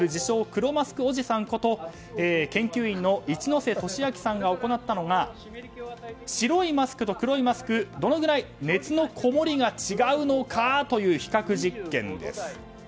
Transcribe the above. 黒マスクおじさんこと研究員の一之瀬俊明さんが行ったのが白いマスクと黒いマスクどのぐらい熱のこもりが違うのかという比較実験です。